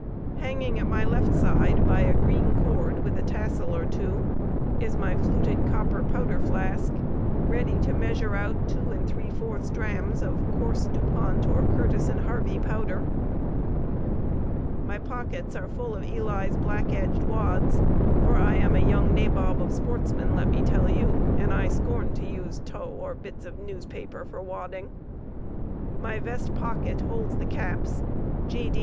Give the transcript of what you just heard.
Hanging at my left side by a green cord with a tassel or two is my fluted copper powder flask, ready to measure out two and three fourths drams of coarse Dupont or Curtis & Harvey powder. "My pockets are full of Ely's black edged wads, for I am a young nabob of sportsmen, let me tell you, and I scorn to use tow or bits of newspaper for wadding. My vest pocket holds the caps, G. D.'